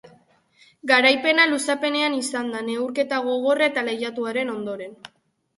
Garaipena luzapenean izan da neurketa gogorra eta lehiatuaren ondoren.